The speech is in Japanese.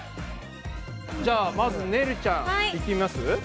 じゃあまずねるちゃんいってみます？